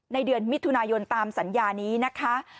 เดือนมิถุนายนตามสัญญานี้นะคะ